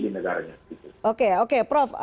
di negaranya oke oke prof